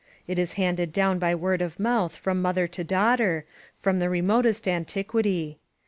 It is handed down by word of mouth from mother to daughter, from the re motest antiquity.